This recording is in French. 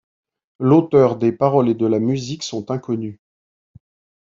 L'auteur des paroles et de la musique sont inconnus.